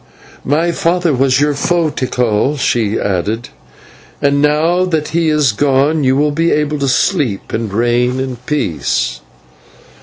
"My father was your foe, Tikal," she added, "and now that he is gone you will be able to sleep and reign in peace."